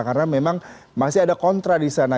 karena memang masih ada kontra di sana